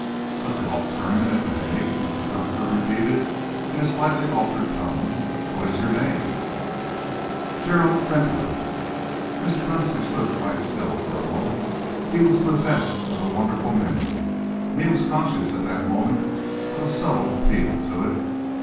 "A golf tournament at The Hague!" Mr. Dunster repeated, in a slightly altered tone. "What is your name?" "Gerald Fentolin." Mr. Dunster stood quite still for a moment. He was possessed of a wonderful memory, and he was conscious at that moment of a subtle appeal to it.